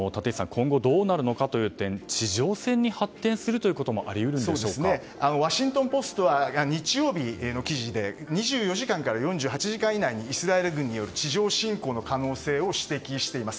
今後どうなるのかという点地上戦に発展するということもワシントン・ポストが日曜日の記事で２４時間から４８時間以内にイスラエル軍による地上侵攻の可能性を指摘しています。